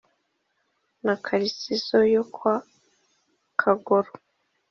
Na Kalisizo yo kwa Kagoro :